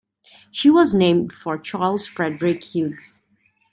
She was named for Charles Frederick Hughes.